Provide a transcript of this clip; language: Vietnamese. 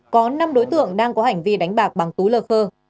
có năm đối tượng đang có hành vi đánh bạc bằng túi lơ khơ